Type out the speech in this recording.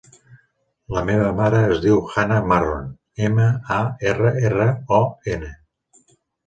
La meva mare es diu Hannah Marron: ema, a, erra, erra, o, ena.